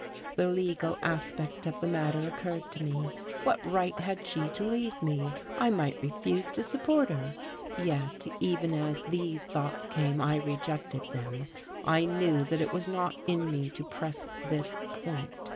The legal aspect of the matter occurred to me. What right had she to leave me? I might refuse to support her. Yet even as these thoughts came I rejected them; I knew that it was not in me to press this point.